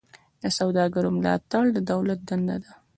د سوداګرو ملاتړ د دولت دنده ده